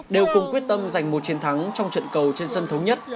đều cùng quyết tâm giành một chiến thắng trong trận cầu trên sân thống nhất